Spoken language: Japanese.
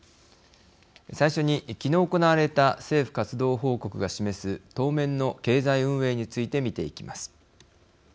最初に昨日行われた政府活動報告が示す当面の経済運営について見ていきます。